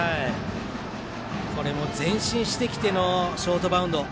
これも前進してきてのショートバウンド。